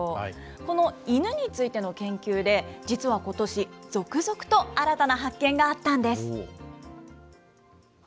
この犬についての研究で、実はことし、続々と新たな発見があったんです。